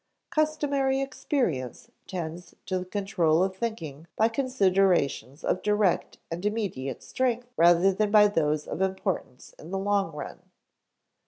Customary experience tends to the control of thinking by considerations of direct and immediate strength rather than by those of importance in the long run.